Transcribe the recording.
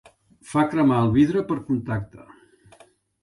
Fa cremar el vidre per contacte.